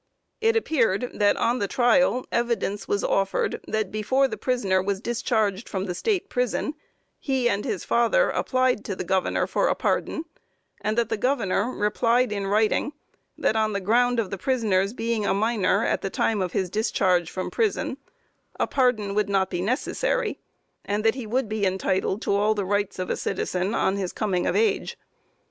It appeared that on the trial evidence was offered, that before the prisoner was discharged from the state prison, he and his father applied to the Governor for a pardon, and that the Governor replied in writing, that on the ground of the prisoner's being a minor at the time of his discharge from prison, a pardon would not be necessary, and that he would be entitled to all the rights of a citizen on his coming of age.